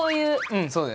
うんそうだよ。